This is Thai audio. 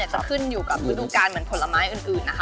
จะขึ้นอยู่กับฤดูการเหมือนผลไม้อื่นนะคะ